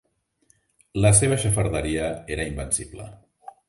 La seva xafarderia era invencible.